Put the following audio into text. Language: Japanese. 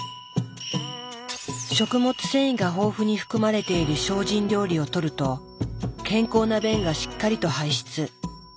食物繊維が豊富に含まれている精進料理をとると健康な便がしっかりと排出。